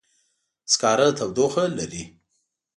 سکاره تودوخه لري.